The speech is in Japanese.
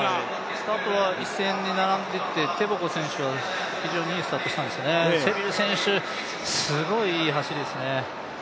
スタートは一線に並んでてテボゴ選手は非常にいいスタートをしたんですね、セビル選手、すごいいい走りですね